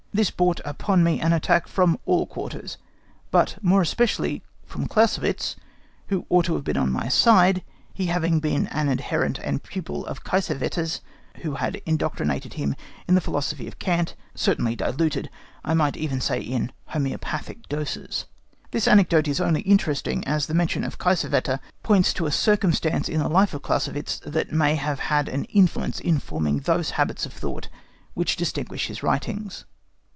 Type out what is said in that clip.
This brought upon me an attack from all quarters, but more especially from Clausewitz, who ought to have been on my side, he having been an adherent and pupil of Kiesewetter's, who had indoctrinated him in the philosophy of Kant, certainly diluted—I might even say in homœopathic doses." This anecdote is only interesting as the mention of Kiesewetter points to a circumstance in the life of Clausewitz that may have had an influence in forming those habits of thought which distinguish his writings.